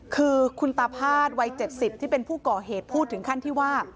คือคุณตาพาดวัย๗๐ที่เป็นผู้ก่อเหตุพูดถึงขั้นที่ว่า